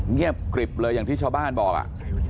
เงียบกริบเลยอย่างที่ชาวบ้านบอกอ่ะ